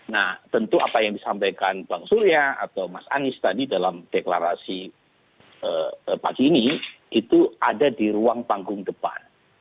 nah tentu apa yang disampaikan bang surya atau mas anies tadi dalam deklarasi pagi ini itu ada di ruang panggung depan